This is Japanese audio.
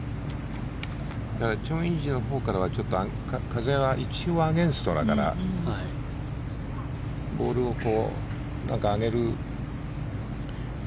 チョン・インジのほうからはちょっと風は一応、アゲンストだからボールを上げる。